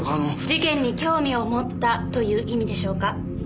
事件に興味を持ったという意味でしょうか？